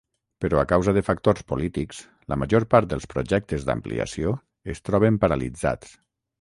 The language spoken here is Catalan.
Però a causa de factors polítics, la major part dels projectes d'ampliació es troben paralitzats.